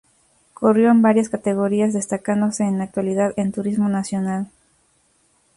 Corrió en varias categorías, destacándose en la actualidad en Turismo Nacional.